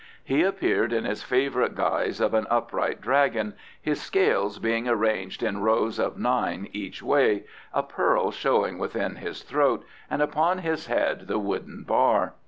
He appeared in his favourite guise of an upright dragon, his scales being arranged in rows of nine each way, a pearl showing within his throat, and upon his head the wooden bar.